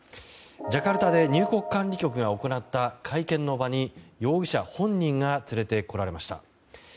ジャカルタで入国管理局が行った会見の場に容疑者本人が連れてこられました。